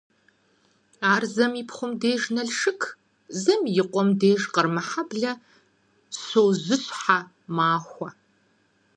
Ар зэм и пхъум деж Налшык, зэм и къуэм деж Къармэхьэблэ щожьыщхьэ махуэ.